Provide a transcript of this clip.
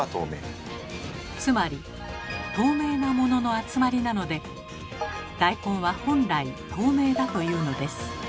つまり透明なものの集まりなので大根は本来透明だというのです。